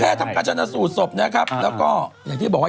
ทำการชนะสูตรศพนะครับแล้วก็อย่างที่บอกว่า